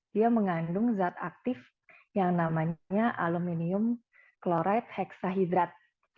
dia mengandung zat aktif yang namanya aluminium chloride hexahidrat